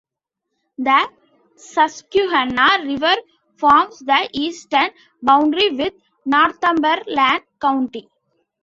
The Susquehanna River forms the eastern boundary with Northumberland County.